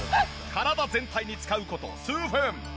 体全体に使う事数分。